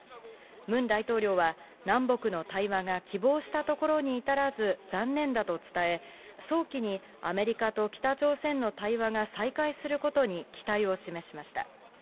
ムン大統領は、南北の対話が希望したところに至らず残念だと伝え、早期にアメリカと北朝鮮の対話が再開することに期待を示しました。